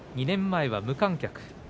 ２年前は無観客。